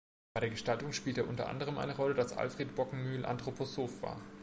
Bei der Gestaltung spielte unter anderem eine Rolle, dass Alfred Bockemühl Anthroposoph war.